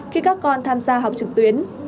khi các con tham gia học trực tuyến